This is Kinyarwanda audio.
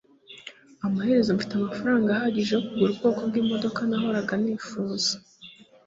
amaherezo mfite amafaranga ahagije yo kugura ubwoko bwimodoka nahoraga nifuza